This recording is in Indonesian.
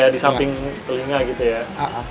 di samping telinga gitu ya